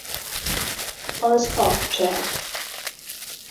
Az Ap Csel.